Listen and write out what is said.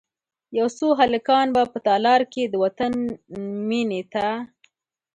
یو څو هلکان به په تالار کې، د وطن میینې ته،